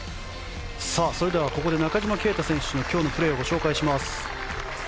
それでは中島啓太選手の今日のプレーをご紹介します。